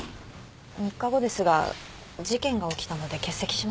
３日後ですが事件が起きたので欠席します。